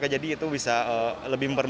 jadi itu bisa lebih memperbaik